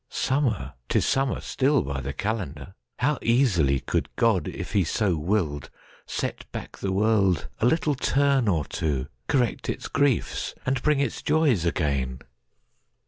Summer? 'Tis summer still by the calendar! How easily could God, if He so willed, Set back the world a little turn or two! Correct its griefs, and bring its joys again!